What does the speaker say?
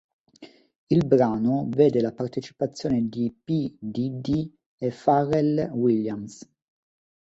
Il brano vede la partecipazione di P. Diddy e Pharrell Williams.